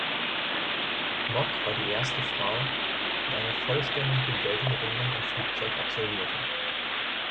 Mock war die erste Frau, die eine vollständige Weltumrundung im Flugzeug absolvierte.